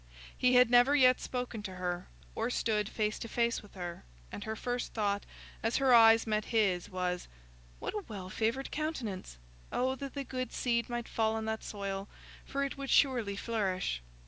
He had never yet spoken to her, or stood face to face with her, and her first thought, as her eyes met his, was, "What a well favoured countenance! Oh that the good seed might fall on that soil, for it would surely flourish."